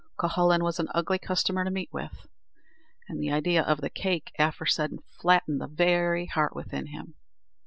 Cuhullin was an ugly customer to meet with; and, the idea of the "cake" aforesaid flattened the very heart within him.